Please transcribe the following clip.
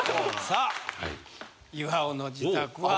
さあ岩尾の自宅は。